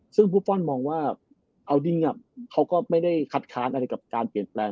ซึ่งบุฟฟอลมองว่าเอาดิ้งเขาก็ไม่ได้คัดค้านอะไรกับการเปลี่ยนแปลง